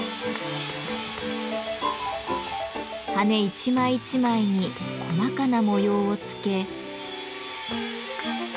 羽一枚一枚に細かな模様をつけ。